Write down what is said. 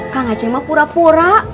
kak ngaceng mah pura pura